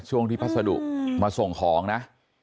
ช่วงที่พัสดุมาส่งของนะ